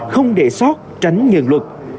không đệ sót tránh nhận luật